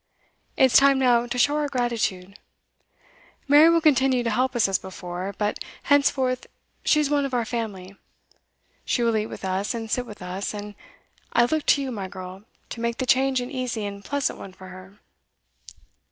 It's time now to show our gratitude. Mary will continue to help us as before, but henceforth she is one of our family. She will eat with us and sit with us; and I look to you, my girl, to make the change an easy and pleasant one for her.